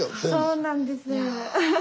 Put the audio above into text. そうなんです。